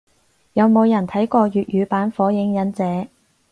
有冇人睇過粵語版火影忍者？